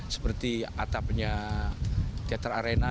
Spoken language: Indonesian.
seperti atapnya teater arena